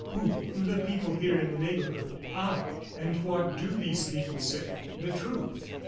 Who?" "The people here in the neighborhood." "Ah! And what do these people say?" "The truth.